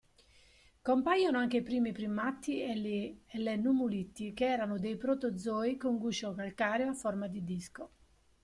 Compaiono anche i primi primati e le nummuliti che erano dei protozoi con guscio calcareo a forma di disco.